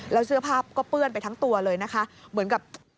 แล้วเสื้อผ้าก็เปื้อนไปทั้งตัวเลยนะคะเหมือนกับ